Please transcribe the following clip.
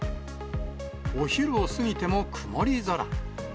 お昼を過ぎても曇り空。